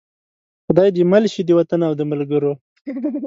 خدای دې مل شي د وطن او د ملګرو.